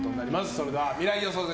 それでは未来予想図